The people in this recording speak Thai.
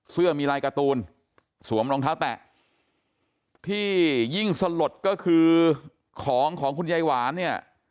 เสื้อมีลายการ์ตูนสวมรองเท้าแตะที่ยิ่งสลดก็คือของของคุณยายหวานเนี่ย